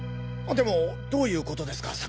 でもどういうことですか？